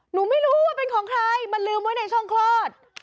หนูไม่รู้ว่าเป็นของใครมาลืมไว้ในช่องคลอด